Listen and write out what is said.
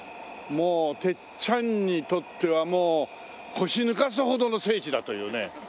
もう鉄ちゃんにとってはもう腰抜かすほどの聖地だというね。